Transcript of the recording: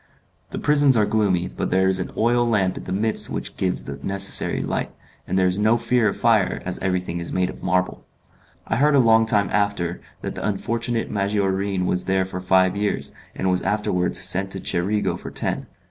The prisons are gloomy, but there is an oil lamp in the midst which gives the necessary light, and there is no fear of fire as everything is made of marble. I heard, a long time after, that the unfortunate Maggiorin was there for five years, and was afterwards sent to Cerigo for ten.